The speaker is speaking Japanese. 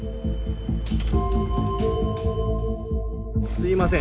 すいません。